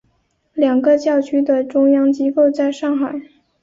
两个教区的中央机构在上海。